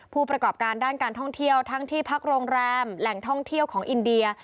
ผู้ประกอบการด้านการท่องเที่ยวทั้งที่พักโรงแรมแหล่งท่องเที่ยวของอินเดีย